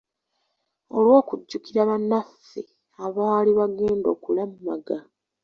Olw'okujjukira banaffe abaali baagenda okulamaga.